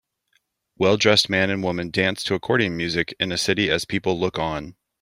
Welldressed man and woman dance to accordion music in a city as people look on.